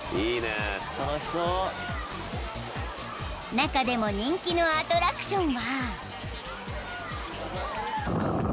［中でも人気のアトラクションは］